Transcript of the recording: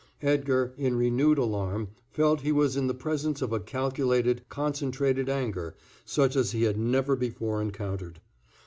Edgar, in renewed alarm, felt he was in the presence of a calculated, concentrated anger such as he had never before encountered.